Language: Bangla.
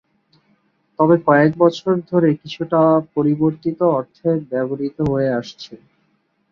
তবে কয়েক বছর ধরে কিছুটা পরিবর্তিত অর্থে ব্যবহৃত হয়ে আসছে।